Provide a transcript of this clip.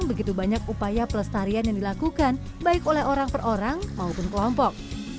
begitu banyak upaya pelestarian yang dilakukan baik oleh orang per orang maupun kelompok